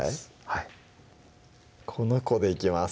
はいこの子でいきます